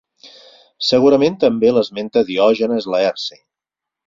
Segurament també l'esmenta Diògenes Laerci.